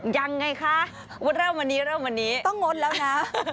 ยังไงคะงดเริ่มวันนี้เริ่มวันนี้ต้องงดแล้วนะ